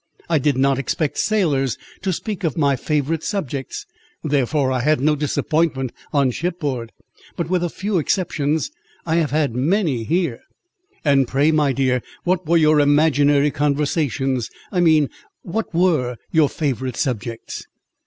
I did not expect sailors to speak of my favourite subjects, therefore I had no disappointment on shipboard; but, with a few exceptions, I have had many here." "And pray, my dear, what were your imaginary conversations? I mean, what were your favourite subjects?"